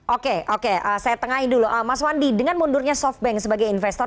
oke oke saya tengahin dulu mas wandi dengan mundurnya softbank sebagai investor